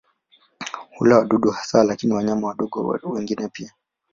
Hula wadudu hasa lakini wanyama wadogo wengine pia.